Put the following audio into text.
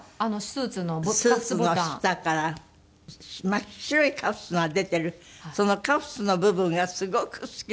スーツの下から真っ白いカフスが出ているそのカフスの部分がすごく好きだったの。